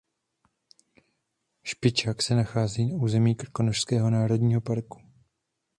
Špičák se nachází na území Krkonošského národního parku.